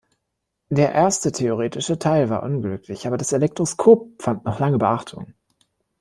Der erste theoretische Teil war unglücklich, aber das Elektroskop fand noch lange Beachtung.